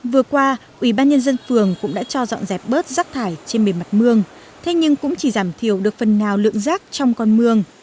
vừa qua ủy ban nhân dân phường cũng đã cho dọn dẹp bớt rác thải trên bề mặt mương thế nhưng cũng chỉ giảm thiểu được phần nào lượng rác trong con mương